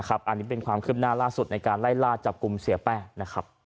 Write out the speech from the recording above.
อันนี้เป็นความคืบหน้าล่าสุดในการไล่ล่าจับกลุ่มเสียแป้งนะครับ